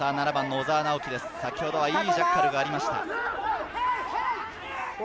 小澤直輝、先ほどはいいジャッカルがありました。